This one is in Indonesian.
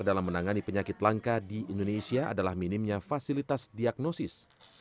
dalam menangani penyakit langka di indonesia adalah minimnya fasilitas diagnosis